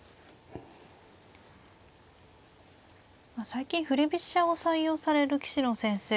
最近振り飛車を採用される棋士の先生